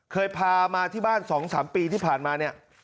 เคยพามาที่บ้าน๒๓ปีที่ผ่านมาเนี่ย